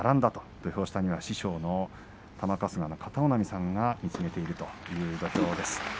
土俵下には師匠の玉春日の片男波さんが見つめている土俵です。